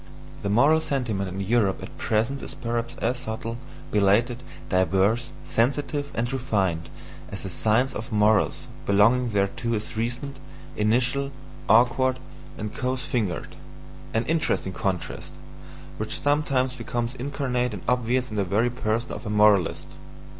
The moral sentiment in Europe at present is perhaps as subtle, belated, diverse, sensitive, and refined, as the "Science of Morals" belonging thereto is recent, initial, awkward, and coarse fingered: an interesting contrast, which sometimes becomes incarnate and obvious in the very person of a moralist.